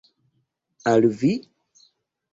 Al vi?